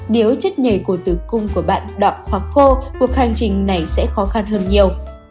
nếu chất nhảy cổ tử cung của bạn đọc hoặc khô cuộc hành trình này sẽ khó khăn hơn nhiều